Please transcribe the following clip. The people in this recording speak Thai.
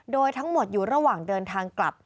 โดยทั้งหมดอยู่ระหว่างเดินทางกลับ